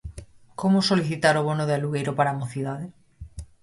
Como solicitar o bono de alugueiro para a mocidade?